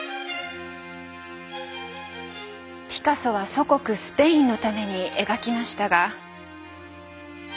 ピカソは祖国スペインのために描きましたが。